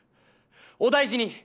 お大事に！